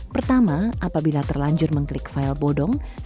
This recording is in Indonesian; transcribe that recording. pertama apabila terlanjur mengklik file undangan pernikahan